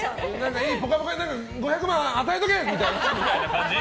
「ぽかぽか」に５００万与えとけ！みたいな？